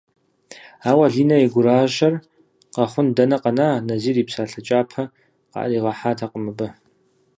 Ауэ Линэ и гуращэр къэхъун дэнэ къэна, Назир и псалъэ кӏапэ къыӏэригъэхьатэкъым абы.